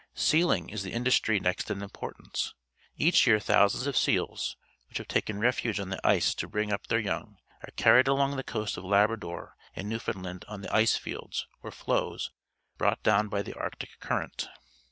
.S ealing, is the industry next in importance. Each year thousands of seals , which have taken refuge on the ice to bring up their young, are carrietl along the coast of Labrador and Newfoundland on the ice fields, or floes, brought down by the Arctic Current.